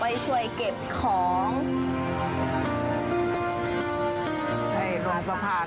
ไปช่วยขายของไปช่วยเก็บของ